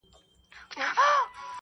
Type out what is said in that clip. ناسته کونه تر قاضي لا هوښياره ده.